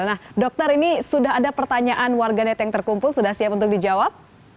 nah dokter ini sudah ada pertanyaan warganet yang terkumpul sudah siap untuk dijawab